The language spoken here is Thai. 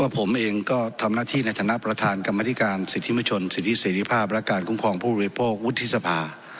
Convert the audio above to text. ผมเองก็ทำหน้าที่ในฐานะประธานกรรมธิการสิทธิมชนสิทธิเสรีภาพและการคุ้มครองผู้บริโภควุฒิสภา